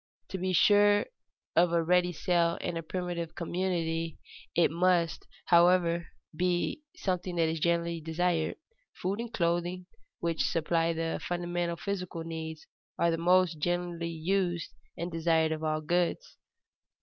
To be sure of a ready sale in a primitive community it must, however, be something that is generally desired. Food and clothing, which supply the fundamental physical needs, are the most generally used and desired of all goods.